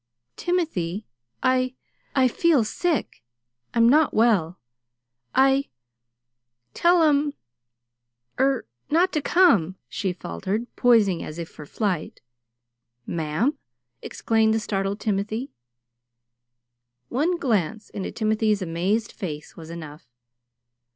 "Timothy, I I feel sick. I'm not well. I tell 'em er not to come," she faltered, poising as if for flight. "Ma'am!" exclaimed the startled Timothy. One glance into Timothy's amazed face was enough.